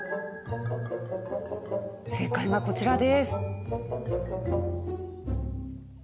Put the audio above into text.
正解はこちらです。